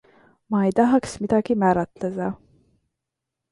Ma ei tahaks midagi määratleda.